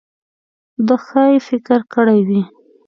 ده ښايي فکر کړی وي.